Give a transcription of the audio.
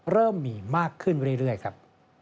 เริ่มมีมากขึ้นเรื่อยครับ